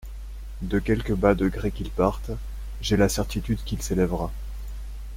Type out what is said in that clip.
De quelque bas degré qu'il parte, j'ai la certitude qu'il s'élèvera.